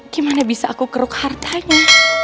gimana bisa aku keruk hartanya